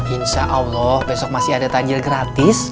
insya allah besok masih ada tajil gratis